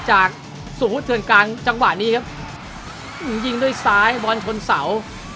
จากสุพุทธเทือนกลางจังหวะนี้ครับยิงด้วยซ้ายบอลชนเสา